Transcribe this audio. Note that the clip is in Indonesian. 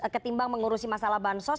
ketimbang mengurusi masalah bansos